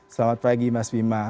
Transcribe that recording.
selamat pagi mas bima